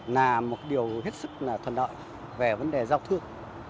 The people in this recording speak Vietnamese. là một điều hết sức là thuận lợi về vấn đề giao thương